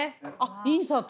インサート。